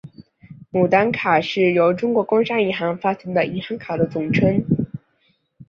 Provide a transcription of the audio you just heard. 牡丹卡是由中国工商银行发行的银行卡的统称。